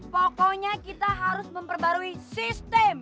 pokoknya kita harus memperbarui sistem